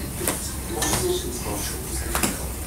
Txuṣṣ yiwet n tferciḍt.